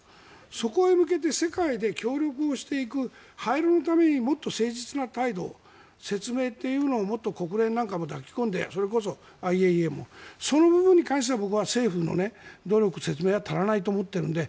そこへ向けて世界で協力をしていく廃炉のためにもっと誠実な態度、説明というのを国連なんかも抱き込んでそれこそＩＡＥＡもその部分に関しては、政府の努力・説明が足らないと思っているんで。